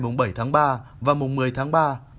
mùng bảy tháng ba và mùng một mươi tháng ba